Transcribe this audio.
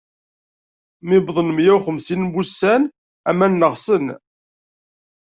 Mi wwḍen meyya uxemsin n wussan, aman neɣsen.